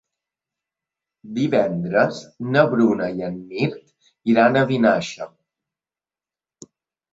Divendres na Bruna i en Mirt iran a Vinaixa.